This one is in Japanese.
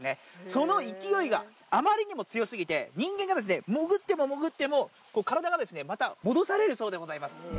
その勢いがあまりにも強すぎて、人間が潜っても潜っても、体がまた戻されるそうでございます。